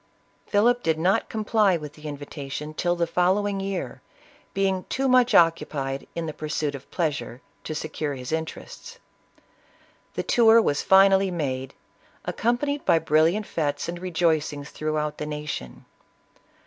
Philip did not comply with the invitation till the following year, being too much occu pied in the pursuit of pleasure, to secure his interests. The tour was finally made, accompanied by brilliant fetes and rejoicings throughout the nation.